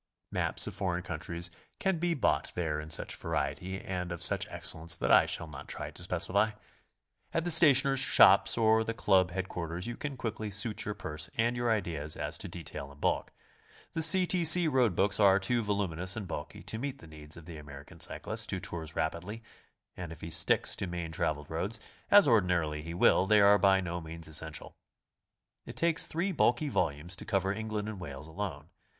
Maps of foreign countries can be bought there in such variety and of such excellence that I shall not try to specify. At the stationers' shops or the Club head quarters you can quickly suit your purse and your ideas as to detail and bulk. The C. T. C. road books are too vol uminous and bulky to meet the needs of the American cy clist who tours rapidly, and if he sticks to main traveled roads, as ordinarily he will, they are by no means essential. It takes three bulky volumes to cover England and Wales alone.